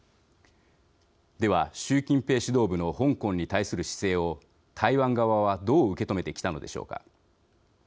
では、習近平指導部の香港に対する姿勢を台湾側はどう受け止めてきたのでしょうか。